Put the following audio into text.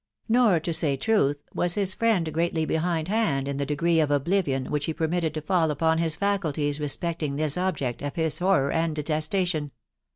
Nor, to say truth, was his friend greatly behind hand in the degree of oblivion which he permitted to fall upon his faculties te&\fec&xi% ^% &s$»x ^& Mb horror *nd detestation.